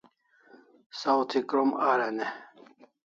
Saw thi krom aran e?